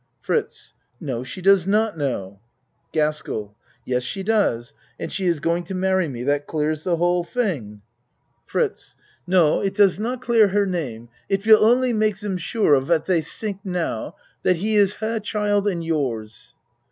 FRITZ No she does not know. GASKELL Yes she does and she is going to mar ry me. That clears the whole thing. io8 A MAN'S WORLD FRITZ No, it does not clear her name, it will only make dem sure of what dey tink now that he is her child and yours.